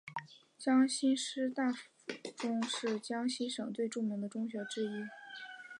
江西师大附中是江西省最著名的中学之一。